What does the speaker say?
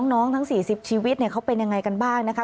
น้องทั้งสี่สิบชีวิตเนี้ยเขาเป็นยังไงกันบ้างนะคะ